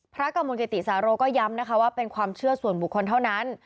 กมลกิติสาโรก็ย้ำนะคะว่าเป็นความเชื่อส่วนบุคคลเท่านั้น